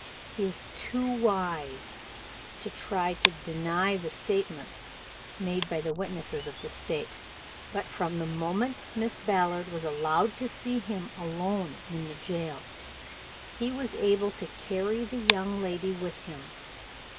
"He is too wise to try to deny the statements made by the witnesses of the State, but from the moment Miss Ballard was allowed to see him alone in the jail, he has been able to carry the young lady with him.